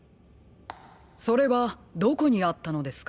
それはどこにあったのですか？